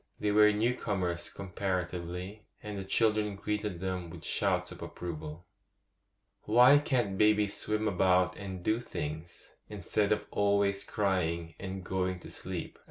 They were new comers comparatively, and the children greeted them with shouts of approval. 'Why can't babies swim about and do things, instead of always crying and going to sleep?